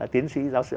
tiến sĩ giáo sư